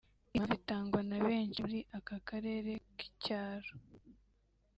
Impamvu itangwa na benshi muri aka karere k’icyaro